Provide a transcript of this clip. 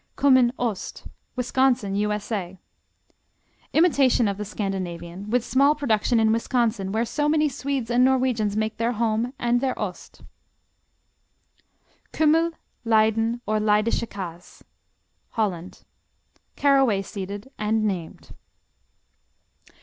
Kummin Ost Wisconsin, U.S.A. Imitation of the Scandinavian, with small production in Wisconsin where so many Swedes and Norwegians make their home and their ost. Kümmel, Leyden, or Leidsche Kaas Holland Caraway seeded and named.